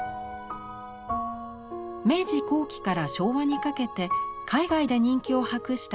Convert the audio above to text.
明治後期から昭和にかけて海外で人気を博した絵師小原古。